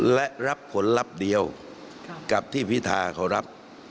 และรับผลลัพธ์เดียวกับที่พิธาเขารับ